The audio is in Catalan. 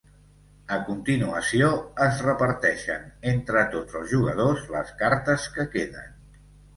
A continuació es reparteixen entre tots els jugadors les cartes que queden.